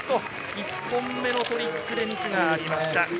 １本目のトリックでミスがありました。